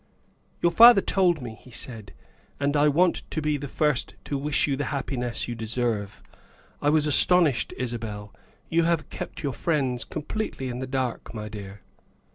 " Your father told me," he said, " and I want to be the first to wish you the happiness you deserve. I was astonished, Isabel ; you have kept your friends com pletely in the dark, my dear."